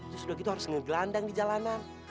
terus udah gitu harus ngegelandang di jalanan